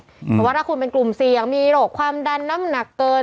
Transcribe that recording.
เพราะว่าถ้าคุณเป็นกลุ่มเสี่ยงมีโรคความดันน้ำหนักเกิน